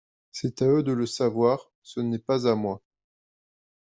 C’est à eux à le savoir !… ce n’est pas à moi !…